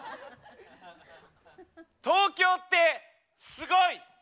「東京ってすごい」。